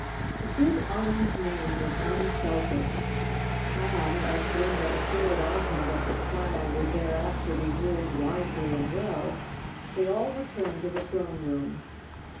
The good Un's name was Unselfish and, as Glinda as 286 _ Chapter Twenty Two sured Ozma that the skyle would thereafter be ruled wisely and well, they all returned to the throne room.